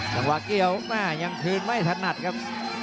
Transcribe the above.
จังหวะเกี่ยวแม่ยังคืนไม่ถนัดครับ